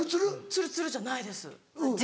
ツルツルじゃないです。